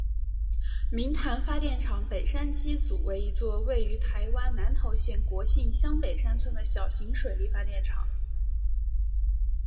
明潭发电厂北山机组为一座位于台湾南投县国姓乡北山村的小型水力发电厂。